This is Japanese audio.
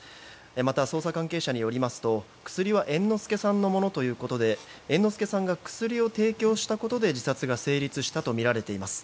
また、捜査関係者によりますと薬は猿之助さんのものということで猿之助さんが薬を提供したことで自殺が成立したとみられています。